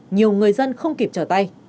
nhiều người dân không kịp trở tay